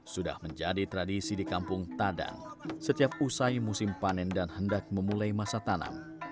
sudah menjadi tradisi di kampung tadang setiap usai musim panen dan hendak memulai masa tanam